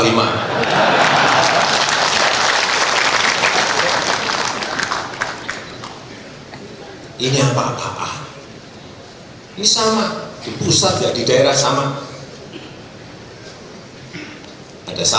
ini apa ini sama di pusat di daerah sama